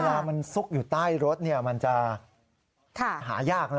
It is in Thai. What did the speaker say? ถ้ามันซุกอยู่ใต้รถเนี่ยมันจะหายากนะ